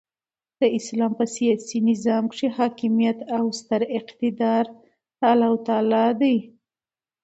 د اسلام په سیاسي نظام کښي حاکمیت او ستر اقتدار د االله تعالى دي.